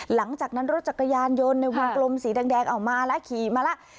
หลังจากนั้นรถจักรยานยนต์ในวงกลมสีแดงเอามาแล้วขี่มาแล้ว